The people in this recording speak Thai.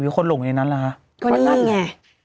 มีใครลงในนั้นน่ะหล่ะมานี่ยังไง